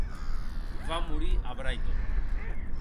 Va morir a Brighton.